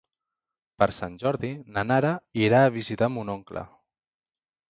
Per Sant Jordi na Nara irà a visitar mon oncle.